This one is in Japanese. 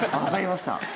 わかりました。